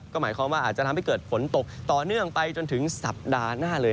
ก็หมายความว่าอาจจะทำให้เกิดฝนตกต่อเนื่องไปจนถึงสัปดาห์หน้าเลย